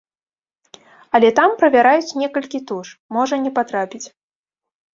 Але там правяраюць некалькі туш, можа не патрапіць.